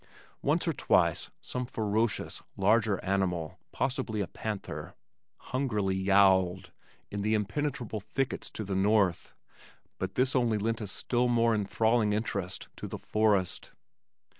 Once or twice some ferocious, larger animal, possibly a panther, hungrily yowled in the impenetrable thickets to the north, but this only lent a still more enthralling interest to the forest.